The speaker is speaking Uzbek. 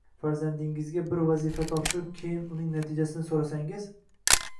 Farzandingizga bir vazifa topshirib, keyin uning natijasini so‘rasangiz